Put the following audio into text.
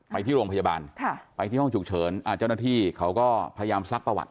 ไปที่โรงพยาบาลไปที่ห้องฉุกเฉินเจ้าหน้าที่เขาก็พยายามซักประวัติ